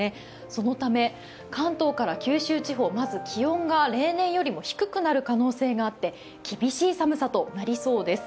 そのため関東から九州地方まず気温が例年よりも低くなる可能性があって厳しい寒さとなりそうです。